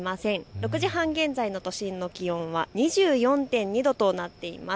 ６時半現在の都心の気温は２４．２度となっています。